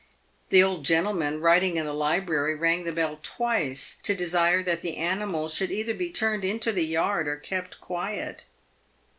The old gentleman, writing in the library, rang the bell twice to desire that the animal should either be turned into the yard or kept quiet.